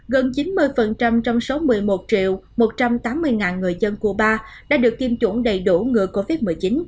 gần chín mươi trong số một mươi một một trăm tám mươi người dân cuba đã được tiêm chủng đầy đủ người covid một mươi chín